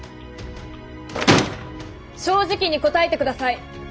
正直に答えてください。